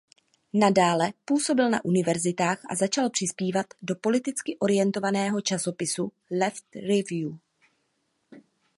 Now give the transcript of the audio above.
Nadále působil na univerzitách a začal přispívat do politicky orientovaného časopisu "Left Review".